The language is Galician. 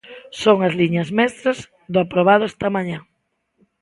Son as liñas mestras do aprobado esta mañá.